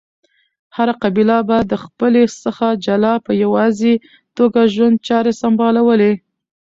هره قبیله به د قبیلی څخه جلا په یواځی توګه ژوند چاری سمبالولی